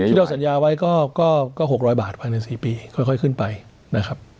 เราสัญญาไว้ก็๖๐๐บาทภายใน๔ปีค่อยขึ้นไปนะครับ